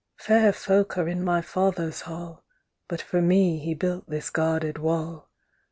Fair folk are in my father's hall, But for me he built this guarded wall.